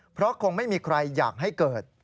เพราะคงไม่มีใครอยากให้เกิด